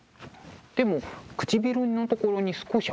でも唇のところに少し赤い色が。